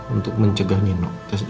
untuk mencegah nino tes dna